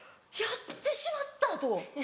やってしまった！と。